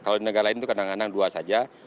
kalau di negara lain itu kadang kadang dua saja